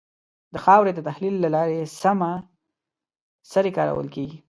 د خاورې د تحلیل له لارې سمه سري کارول کېږي.